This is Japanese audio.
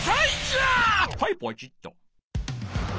はいポチッと。